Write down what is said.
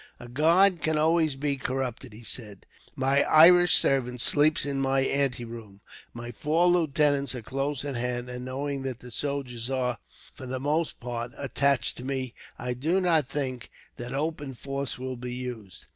"A guard can always be corrupted," he said. "My Irish servant sleeps in my anteroom, my four lieutenants are close at hand, and knowing that the soldiers are, for the most part, attached to me, I do not think that open force will be used.